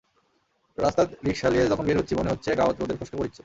রাস্তাত rickshaw লিয়ে যকন বের হচ্চি, মনে হচ্চে গাওত রোদের ফস্কা পড়িচ্চে।